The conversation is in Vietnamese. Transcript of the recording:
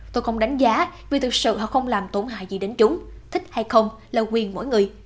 tôi không đánh giá vì thực sự họ không làm tổn hại gì đến chúng thích hay không là quyền mỗi người